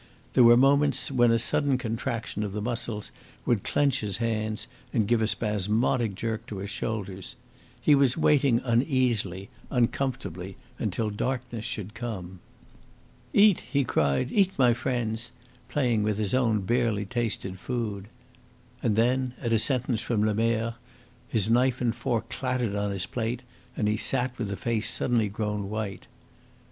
There were moments when a sudden contraction of the muscles would clench his hands and give a spasmodic jerk to his shoulders. He was waiting uneasily, uncomfortably, until darkness should come. "Eat," he cried "eat, my friends," playing with his own barely tasted food. And then, at a sentence from Lemerre, his knife and fork clattered on his plate, and he sat with a face suddenly grown white.